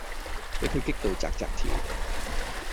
比佢激到紥紥跳